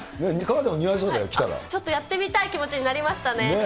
ちょっとやってみたい気持ちになりましたね。